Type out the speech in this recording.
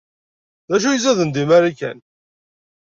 D acu ay izaden deg Marika?